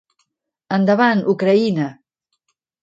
Endavant, Ucraïna!